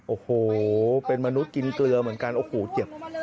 โอ้โหเป็นมนุษย์กินเกลือเหมือนกันโอ้โหเจ็บ